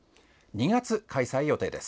２月、開催予定です。